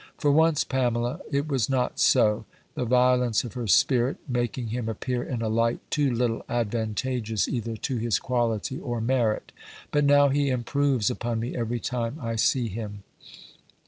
For once, Pamela, it was not so: the violence of her spirit making him appear in a light too little advantageous either to his quality or merit. But now he improves upon me every time I see him.